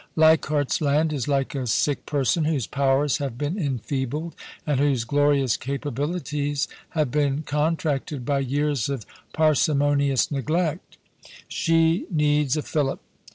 Leichardt's Land is like a sick person whose powers have been enfeebled, and whose glorious capabilities have been contracted by years of parsi monious neglect She needs a fillip.